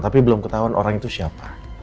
tapi belum ketahuan orang itu siapa